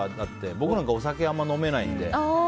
僕なんか、あんまり飲めないんで。